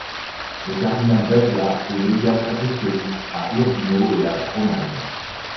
Le cardinal Davia est légat apostolique à Urbino et en Romagne.